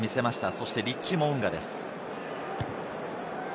そしてリッチー・モウンガです。